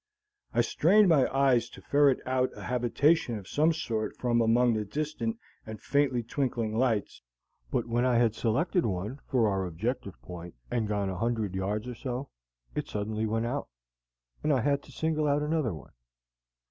I strained my eyes to ferret out a habitation of some sort from among the distant and faintly twinkling lights, but when I had selected one for our objective point and gone a hundred yards or so, it suddenly went out, and I had to single out another one.